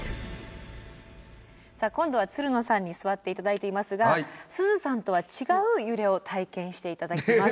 さあ今度はつるのさんに座って頂いていますがすずさんとは違う揺れを体験して頂きます。